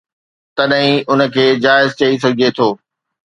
تڏهن ئي ان کي جائز چئي سگهجي ٿو